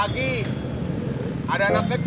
jangan diminum pet